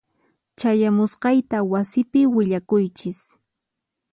Chayamusqayta wasipi willakuychis.